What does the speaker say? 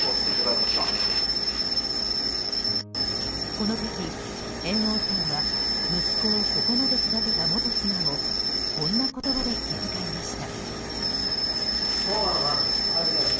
この時、猿翁さんは息子をここまで育てた元妻をこんな言葉で気遣いました。